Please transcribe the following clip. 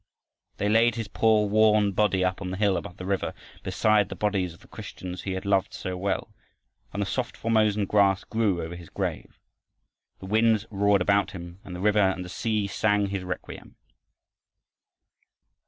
They laid his poor, worn body up on the hill above the river, beside the bodies of the Christians he had loved so well. And the soft Formosan grass grew over his grave, the winds roared about it, and the river and the sea sang his requiem.